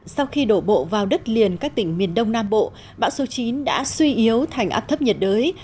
sau khi đổ bộ vào đất liền các tỉnh miền đông nam bộ bão số chín đã suy yếu thành áp thấp nhiệt đới